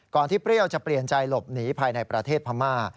ที่เปรี้ยวจะเปลี่ยนใจหลบหนีภายในประเทศพม่า